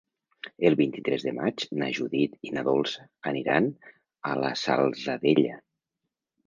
El vint-i-tres de maig na Judit i na Dolça aniran a la Salzadella.